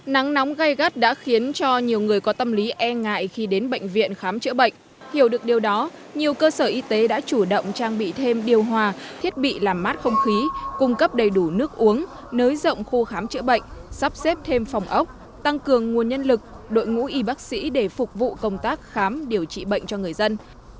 nắng nóng gây gắt đã khiến cho nhiều người có tâm lý e ngại khi đến bệnh viện khám chữa bệnh hiểu được điều đó nhiều cơ sở y tế đã chủ động trang bị thêm điều hòa thiết bị làm mát không khí cung cấp đầy đủ nước uống nới rộng khu khám chữa bệnh sắp xếp thêm phòng ốc tăng cường nguồn nhân lực đội ngũ y bác sĩ để phục vụ công tác khám điều trị bệnh cho người dân